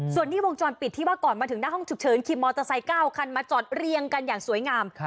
ส่วนนี้วงจรปิดที่ว่าก่อนมาถึงหน้าห้องฉุกเฉินขี่มอเตอร์ไซค์๙คันมาจอดเรียงกันอย่างสวยงาม